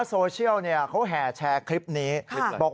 ต้องมีแป้งโรย